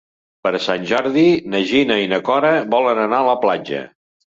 Per Sant Jordi na Gina i na Cora volen anar a la platja.